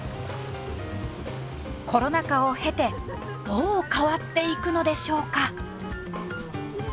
コロナ禍を経てどう変わっていくのでしょうか。